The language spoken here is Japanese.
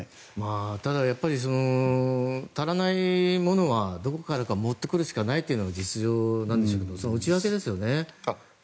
ただ、足らないものはどこからか持ってくるしかないというのが実情なんでしょうけどその内訳ですよね。